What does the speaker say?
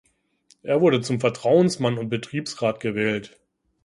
Er wurde zum Vertrauensmann und Betriebsrat gewählt.